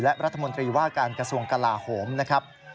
และรัฐมนตรีว่าการกระทรวงกลาโหมนะครับ